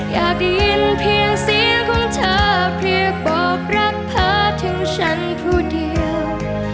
อยากได้ยินเพียงเสียงของเธอเพียงบอกรักเธอถึงฉันผู้เดียว